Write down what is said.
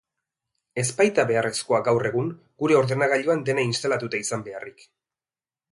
Ez baita beharrezkoa gaur egun gure ordenagailuan dena instalatuta izan beaharrik.